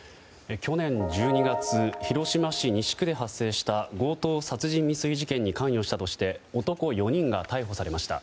去年１２月広島市西区で発生した強盗殺人未遂事件に関与したとして男４人が逮捕されました。